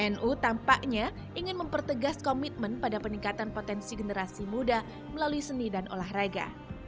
nu tampaknya ingin mempertegas komitmen pada peningkatan potensi generasi muda melalui seni dan olahraga